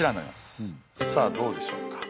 さあどうでしょうか。